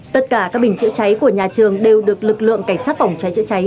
tất cả các bình chữa cháy của nhà trường đều được lực lượng cảnh sát phòng cháy chữa cháy